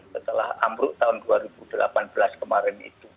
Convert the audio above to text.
setelah amruk tahun dua ribu delapan belas kemarin itu